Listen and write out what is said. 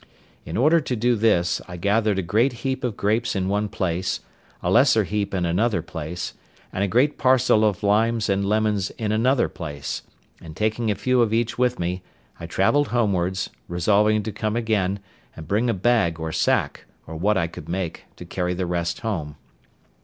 In order to do this, I gathered a great heap of grapes in one place, a lesser heap in another place, and a great parcel of limes and lemons in another place; and taking a few of each with me, I travelled homewards; resolving to come again, and bring a bag or sack, or what I could make, to carry the rest home.